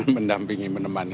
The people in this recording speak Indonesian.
iya mendampingi menemani